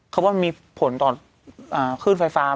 เขาว่ามันมีผลต่อคลื่นไฟฟ้า